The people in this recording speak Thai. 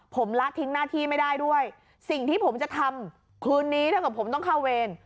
ผมละทิ้งหน้าที่ไม่ได้ด้วยสิ่งที่ผมจะทำคืนนี้ถ้าเกิดผมต้องเข้าเวร